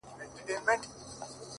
• ما د مرگ ورځ به هم هغه ورځ وي ـ